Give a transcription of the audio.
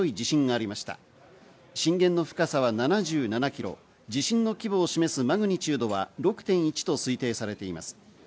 震源の深さは７７キロ、地震の規模を示すマグニチュードは６．１と推定されています。